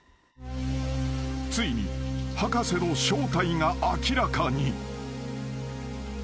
［ついに博士の正体が明らかに］